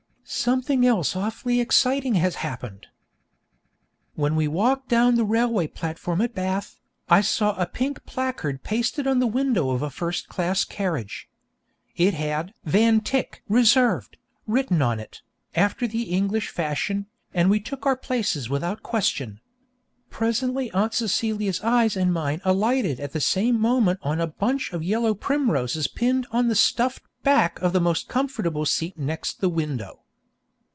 Something else awfully exciting has happened. When we walked down the railway platform at Bath, I saw a pink placard pasted on the window of a first class carriage. It had 'VAN TYCK: RESERVED,' written on it, after the English fashion, and we took our places without question. Presently Aunt Celia's eyes and mine alighted at the same moment on a bunch of yellow primroses pinned on the stuffed back of the most comfortable seat next the window.